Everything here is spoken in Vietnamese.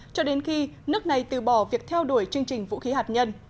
cho đến khi nước này từ bỏ việc theo đuổi chương trình vũ khí hạt nhân